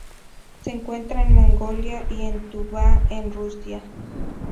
Se encuentra en Mongolia y en Tuvá en Rusia.